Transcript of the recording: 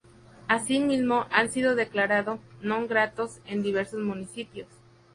Asimismo han sido declarado "non gratos" en diversos municipios.